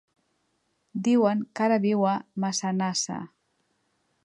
Diuen que ara viu a Massanassa.